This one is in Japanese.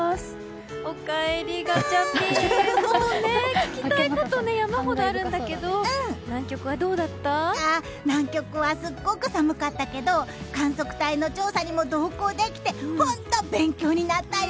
聞きたいこと山ほどあるんだけど南極はすごく寒かったけど観測隊の調査にも同行できて本当、勉強になったよ！